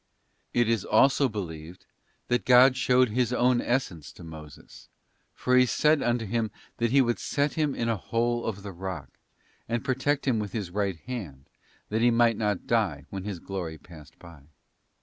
It is also believed that God showed His own Essence to Moses, for He said unto him that He would set him in a hole of the rock, and protect him with His right hand, that he might not die when His glory passed by.